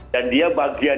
dan dia bagian